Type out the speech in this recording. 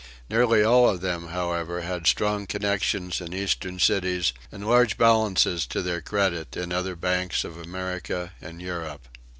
Nearly all of them, however, had strong connections in Eastern cities and large balances to their credit in other banks of America and Europe.